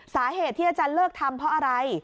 สาเหตุที่อาจารย์เลิกทำเพราะอะไร